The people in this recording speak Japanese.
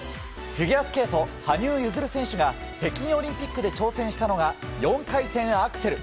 フィギュアスケート羽生結弦選手が北京オリンピックで挑戦したのが４回転アクセル。